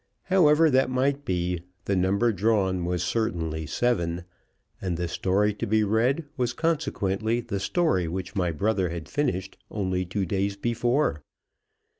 However that might be, the number drawn was certainly Seven, and the story to be read was consequently the story which my brother had finished only two days before.